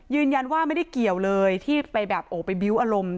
ยืนยันว่าไม่ได้เกี่ยวเลยที่ไปแบบโอ้ไปบิ้วอารมณ์